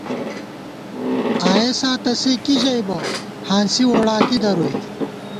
آئېسا تہ سے کی ژَئیبہ، ہانسی ووڑاتی درُوئی